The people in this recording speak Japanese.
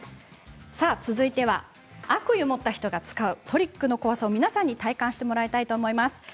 続いては悪意を持った人が使うトリックの怖さを皆さんに体感してもらいたいと思います。